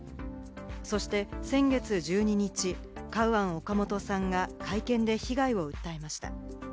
そして先月１２日、カウアン・オカモトさんが会見で被害を訴えました。